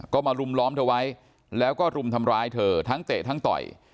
ก็มารุมล้อมเธอไว้แล้วก็รุมทำร้ายเธอทั้งเตะทั้งต่อย